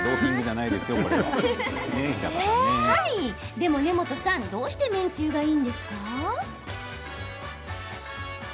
でも根本さん、どうして麺つゆがいいんですか？